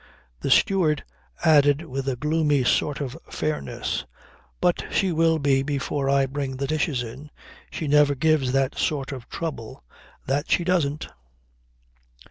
The steward added with a gloomy sort of fairness: "But she will be before I bring the dishes in. She never gives that sort of trouble. That she doesn't."